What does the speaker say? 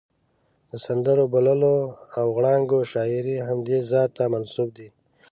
د سندرو، بوللو او غړانګو شاعري همدې ذات ته منسوب دي.